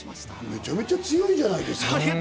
めちゃめちゃ強いじゃないですか。